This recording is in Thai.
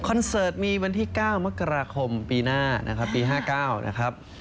คอนเสิร์ตมีวันที่๙มกราคมปีหน้าปี๕๙นะครับ